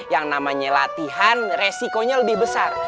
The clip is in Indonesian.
yang namanya latihan resikonya lebih besar